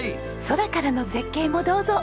空からの絶景もどうぞ！